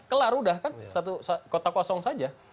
kelar udah kan kota kosong saja